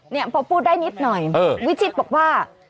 พอพูดได้นิดหน่อยวิชิตบอกว่า